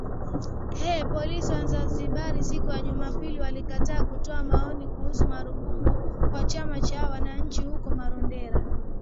Polisi wa Zimbabwe siku ya Jumapili walikataa kutoa maoni kuhusu marufuku kwa chama cha wananchi huko Marondera